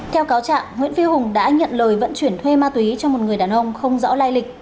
theo cáo trạng nguyễn phi hùng đã nhận lời vận chuyển thuê ma túy cho một người đàn ông không rõ lai lịch